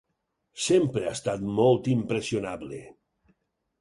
Sempre ha estat molt impressionable.